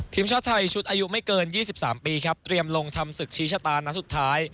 ทีมชาติไทยชุดอายุไม่เกิน๒๓ปีครับเตรียมลงทำศึกชี้ชะตานัดสุดท้าย